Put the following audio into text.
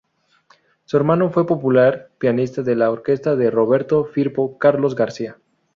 Su hermano fue el popular pianista de la orquesta de Roberto Firpo, Carlos García.